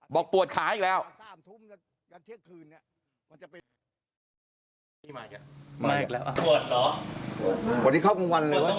บอกปวดขาอีกแล้ว